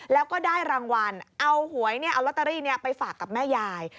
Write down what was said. แล้วก็ได้รางวัลเอาหวยเอาลอตเตอรี่ไปฝากกับแม่ยาย